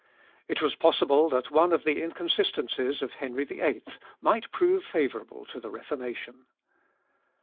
It was possible that one of the inconsistencies of Henry VIII might prove favourable to the Reformation.